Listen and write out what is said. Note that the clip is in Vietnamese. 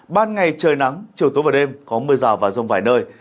ban ngày trời nắng chiều tối và đêm có mưa rào và rông vài nơi